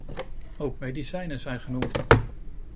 Ook medicijnen zijn genoemd.